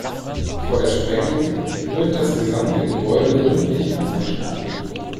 Vor der Sprengung wird das gesamte Gebäude gründlich nach Menschen abgesucht.